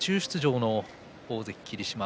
途中出場の新大関霧島。